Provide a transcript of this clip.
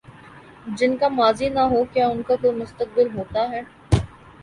جن کا ماضی نہ ہو، کیا ان کا کوئی مستقبل ہوتا ہے؟